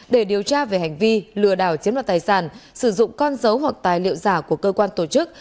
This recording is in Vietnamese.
để điều tra về hành vi lừa đảo chiếm đoạt tài sản sử dụng con dấu hoặc tài liệu giả của cơ quan tổ chức